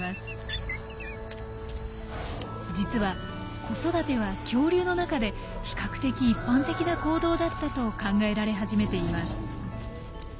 実は子育ては恐竜の中で比較的一般的な行動だったと考えられ始めています。